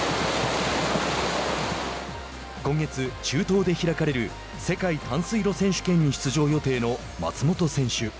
今月、中東で開かれる世界短水路選手権に出場予定の松元選手。